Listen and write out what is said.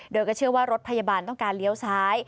โดยก็เชื่อว่ารถพยาบาลต้องการเลี้ยวซ้าย